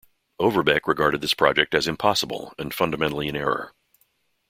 Overbeck regarded this project as impossible and fundamentally in error.